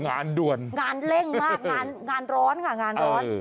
งานด่วนงานเร่งมากงานร้อนค่ะงานร้อน